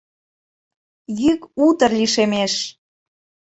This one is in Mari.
Йӱк утыр лишемеш.